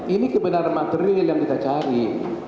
ini kebenaran material yang kita cari